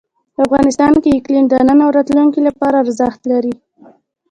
افغانستان کې اقلیم د نن او راتلونکي لپاره ارزښت لري.